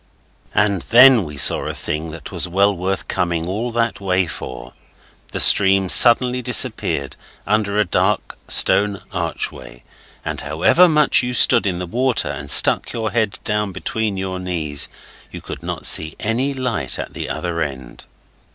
And then we saw a thing that was well worth coming all that way for; the stream suddenly disappeared under a dark stone archway, and however much you stood in the water and stuck your head down between your knees you could not see any light at the other end.